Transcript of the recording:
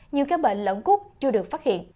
nhiều cái bệnh lẫn cút chưa được phát hiện